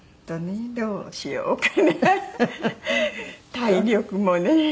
体力もね。